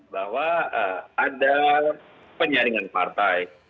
bahwa ada penyaringan partai